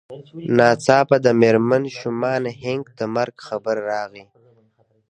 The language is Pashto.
ناڅاپه د مېرمن شومان هينک د مرګ خبر راغی.